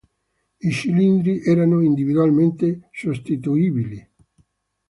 I cilindri erano individualmente sostituibili.